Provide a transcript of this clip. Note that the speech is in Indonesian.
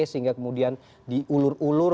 sehingga kemudian diulur ulur